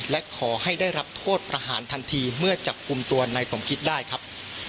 และขอให้ได้รับโทษประหารทันทีเมื่อจับกลุ่มตัวนายสมคิตได้ครับ